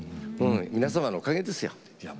皆様のおかげです。